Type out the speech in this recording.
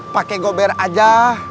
pakai gober aja